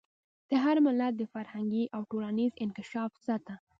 د هر ملت د فرهنګي او ټولنیز انکشاف سطح.